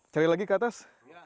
cari lagi ke atas